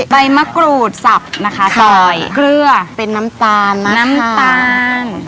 ใบมะกรูดสับนะคะซอยเกลือเป็นน้ำตาลน้ำตาล